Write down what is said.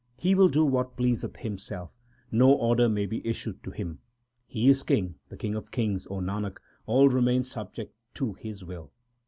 He will do what pleaseth Himself ; no order may be issued to Him. He is King, the King of kings, O Nanak ; all remain subject to His will.